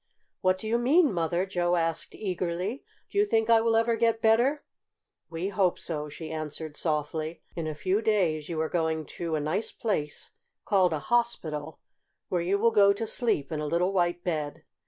"What do you mean, Mother?" Joe asked eagerly. "Do you think I will ever get better?" "We hope so," she answered softly. "In a few days you are going to a nice place, called a hospital, where you will go to sleep in a little white bed.